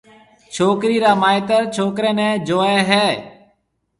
ڇوڪرِي را مائيتر ڇوڪريَ نيَ جوئيَ ھيَََ